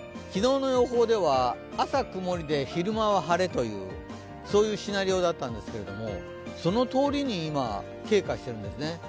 昨日の予報では朝曇りで昼間は晴れというシナリオだったんですけれどもそのとおりに今、変化してるんですね。